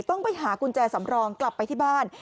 ต้องไปหากุญแจสำรองกลับไปที่บ้าน